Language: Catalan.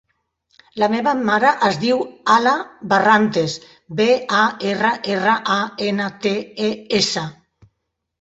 La meva mare es diu Alae Barrantes: be, a, erra, erra, a, ena, te, e, essa.